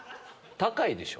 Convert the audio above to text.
「高いでしょ」？